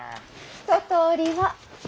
一とおりは。